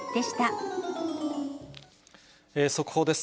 速報です。